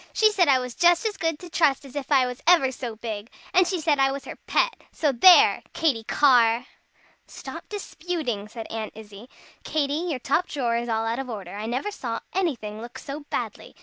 "She said I was just as good to trust as if I was ever so big. And she said I was her pet. So there! Katy Carr!" "Stop disputing," said Aunt Izzie. "Katy your top drawer is all out of order. I never saw anything look so badly.